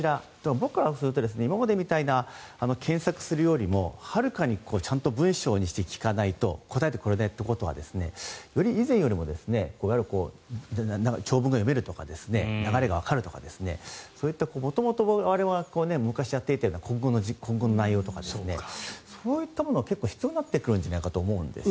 僕からすると今までみたいな検索をするよりもはるかにちゃんと文章にして聞かないと答えてくれないということはより、以前よりも長文が読めるとか流れがわかるとかそういった元々、我々が昔やっていたような国語の内容とかそういったものが必要になってくるんじゃないかなと思うんですね。